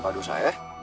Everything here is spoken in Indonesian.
apa aduh saya